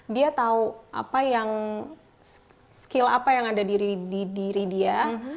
dia tahu skill apa yang ada di diri dia